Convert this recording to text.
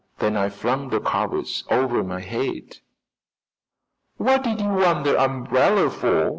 Then I flung the covers over my head." "What did you want the umbrella for?"